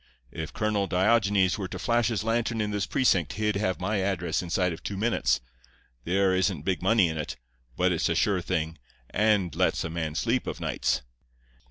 If Colonel Diogenes were to flash his lantern in this precinct he'd have my address inside of two minutes. There isn't big money in it, but it's a sure thing, and lets a man sleep of nights.